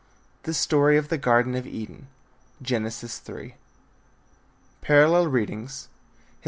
THE STORY OF THE GARDEN OF EDEN. Gen. 3. Parallel Readings. _Hist.